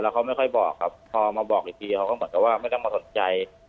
เขาไม่ค่อยบอกครับพอมาบอกอีกทีเขาก็เหมือนกับว่าไม่ต้องมาสนใจ